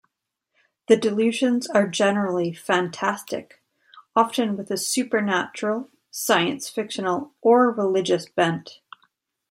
The delusions are generally fantastic, often with a supernatural, science-fictional, or religious bent.